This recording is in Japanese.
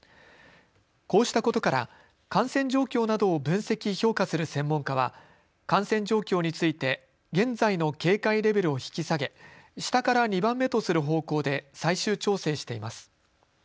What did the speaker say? こうしたことから感染状況などを分析・評価する専門家は感染状況について現在の警戒レベルを引き下げ下から２番目とする方向で最終調整しています。